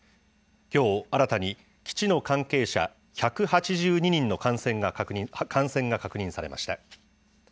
きょう、新たに基地の関係者１８２人の感染が確認されました。